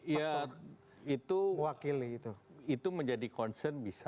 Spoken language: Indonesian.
ya itu menjadi concern bisa